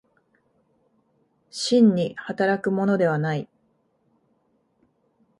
真に働くものではない。